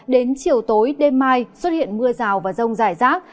đến chiều tối đêm mai xuất hiện mưa rào và rông rải rác